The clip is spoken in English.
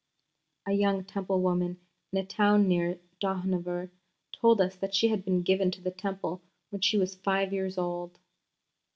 A young Temple woman in a town near Dohnavur told us she had been given to the Temple when she was five years old.